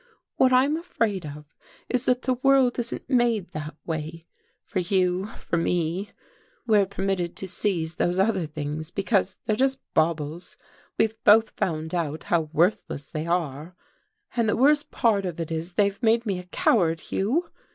"What I'm afraid of is that the world isn't made that way for you for me. We're permitted to seize those other things because they're just baubles, we've both found out how worthless they are. And the worst of it is they've made me a coward, Hugh.